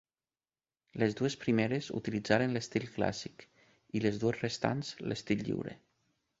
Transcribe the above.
Les dues primeres utilitzaren l'estil clàssic i les dues restants l'estil lliure.